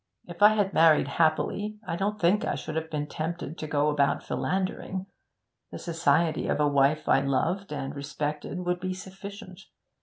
If I had married happily, I don't think I should have been tempted to go about philandering. The society of a wife I loved and respected would be sufficient.